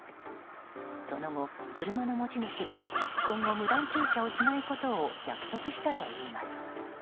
その後、車の持ち主は今後、無断駐車をしないことを約束したといいます。